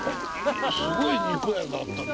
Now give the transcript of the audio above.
すごい肉屋があったね